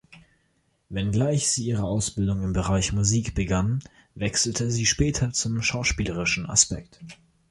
Wenngleich sie ihre Ausbildung im Bereich Musik begann, wechselte sie später zum schauspielerischen Aspekt.